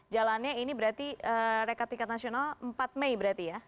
jalannya ini berarti rekat tiket nasional empat mei berarti ya